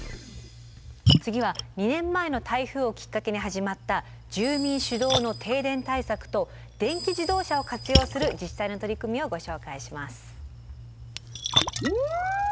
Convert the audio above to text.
次は２年前の台風をきっかけに始まった「住民主導の停電対策」と「電気自動車を活用する自治体の取り組み」をご紹介します。